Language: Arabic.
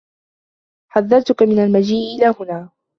حذّرتك من المجيء إلى هنا.